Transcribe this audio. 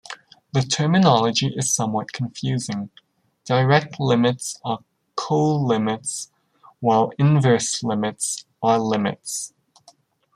The terminology is somewhat confusing: direct limits are colimits while inverse limits are limits.